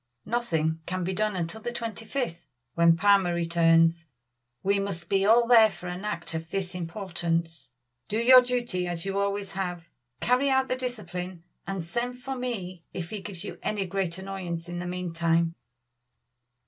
"Nothing can be done until the twenty fifth, when Palmer returns. We must be all there for an act of this importance. Do your duty as you always have, carry out the discipline, and send for me if he gives you any great annoyance in the meantime."